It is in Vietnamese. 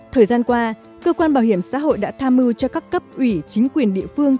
thời gian qua cơ quan bảo hiểm xã hội đã tham mưu cho các cấp ủy chính quyền địa phương